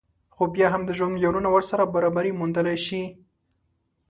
خو بيا هم د ژوند معيارونه ورسره برابري موندلی شي